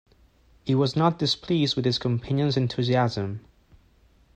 He was not displeased with his companion's enthusiasm.